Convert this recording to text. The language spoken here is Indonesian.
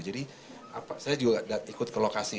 jadi saya juga gak ikut ke lokasi